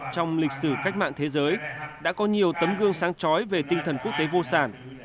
trong lịch sử cách mạng thế giới đã có nhiều tấm gương sáng trói về tinh thần quốc tế vô sản